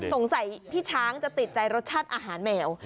พี่ช้างจะติดใจรสชาติอาหารแมว